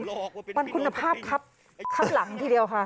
มันคุณภาพครับข้างหลังทีเดียวค่ะ